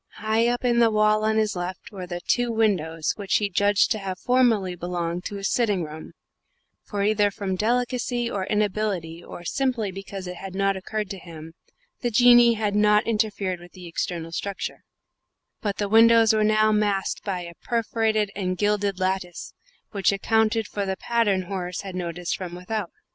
High up in the wall, on his left, were the two windows which he judged to have formerly belonged to his sitting room (for either from delicacy or inability, or simply because it had not occurred to him, the Jinnee had not interfered with the external structure), but the windows were now masked by a perforated and gilded lattice, which accounted for the pattern Horace had noticed from without.